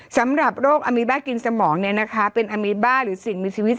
สำหรับโรคอัมมิบ้ากินสมองเนี้ยนะคะเป็นอัมมิบ้าหรือสิ่งมีชีวิต